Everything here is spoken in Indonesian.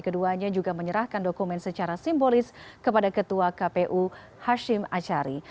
keduanya juga menyerahkan dokumen secara simbolis kepada ketua kpu hashim ashari